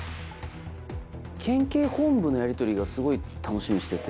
県警本部のやりとりがすごい楽しみにしてて。